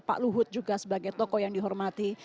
pak luhut juga sebagai tokoh yang dihormati